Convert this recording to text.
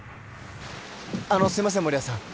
あのすみません守屋さん。